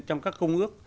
trong các công ước